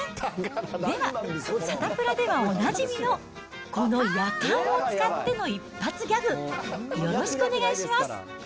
では、サタプラではおなじみのこのやかんを使っての一発ギャグ、よろしくお願いします。